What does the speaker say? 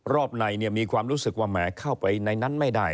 รอบในมีความรู้สึกว่าแหมเข้าไปในนั้นไม่ได้